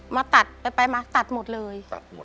มาตัดไปมาตัดหมดเลย